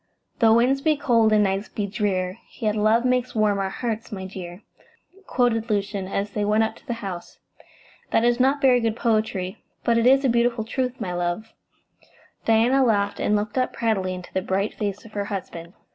"'Tho' winds be cold and nights be drear, Yet love makes warm our hearts, my dear,'" quoted Lucian, as they went up to the house. "That is not very good poetry, but it is a beautiful truth, my love." Diana laughed, and looked up proudly into the bright face of her husband.